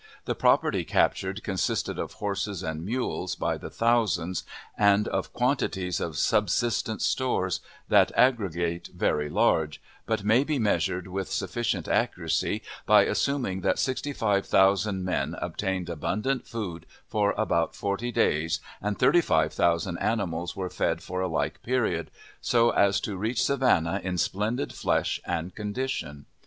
The property captured consisted of horses and mules by the thousand, and of quantities of subsistence stores that aggregate very large, but may be measured with sufficient accuracy by assuming that sixty five thousand men obtained abundant food for about forty days, and thirty five thousand animals were fed for a like period, so as to reach Savannah in splendid flesh and condition.